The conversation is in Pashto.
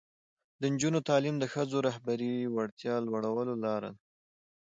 د نجونو تعلیم د ښځو رهبري وړتیا لوړولو لاره ده.